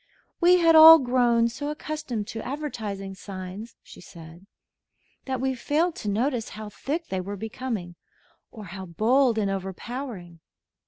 "We had all grown so accustomed to advertising signs," she said, "that we failed to notice how thick they were becoming or how bold and overpowering.